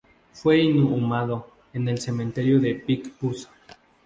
Fue inhumado en el cementerio de Picpus.